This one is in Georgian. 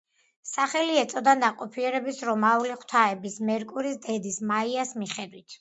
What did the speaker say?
სახელი ეწოდა ნაყოფიერების რომაული ღვთაების, მერკურის დედის, მაიას მიხედვით.